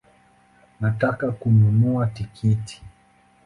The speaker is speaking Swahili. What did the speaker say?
Nataka kununua tikiti